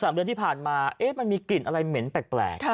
๓เดือนที่ผ่านมามันมีกลิ่นอะไรเหม็นแปลก